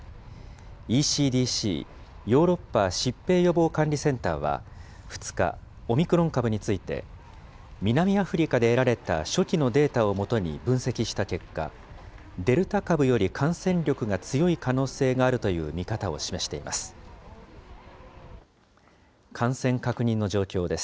ＥＣＤＣ・ヨーロッパ疾病予防管理センターは、２日、オミクロン株について、南アフリカで得られた初期のデータを基に分析した結果、デルタ株より感染力が強い可能性があるという見方を示しています。